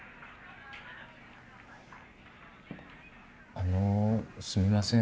あのすみません